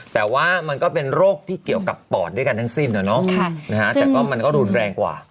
แต่ว่ามันก็เป็นโรคที่เกี่ยวกับปอดด้วยกันทั้งสิ้นแต่ก็มันก็รุนแรงกว่า